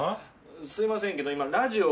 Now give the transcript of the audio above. すいませんけど今ラジオを。